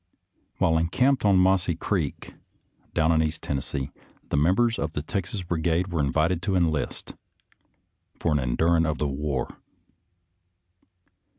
•♦♦ While encamped on Mossy Creek, down in East Tennessee, the members of the Texas Brigade were invited to enlist " for an' indurin' of the war."